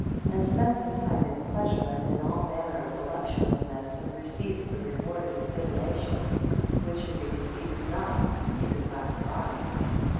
10 And spends his time in pleasure, and in all manner of voluptuousness, and receives the reward of his divination; which if he receives not, he does not divine.